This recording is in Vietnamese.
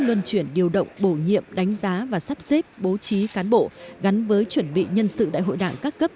luân chuyển điều động bổ nhiệm đánh giá và sắp xếp bố trí cán bộ gắn với chuẩn bị nhân sự đại hội đảng các cấp